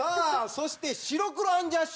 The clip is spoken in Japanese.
そして『白黒アンジャッシュ』。